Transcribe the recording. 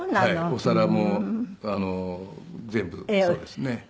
お皿も全部そうですね。